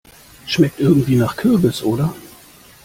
Schmeckt irgendwie nach Kürbis, oder?